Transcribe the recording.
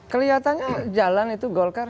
keliatannya jalan itu golkar